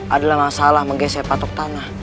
adalah masalah menggesek patok tanah